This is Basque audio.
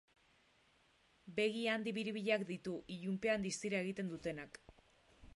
Begi handi biribilak ditu, ilunpean distira egiten dutenak.